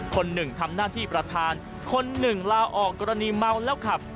คนหนึ่งทำหน้าที่ประธานคนหนึ่งลาออกกรณีเมาแล้วขับ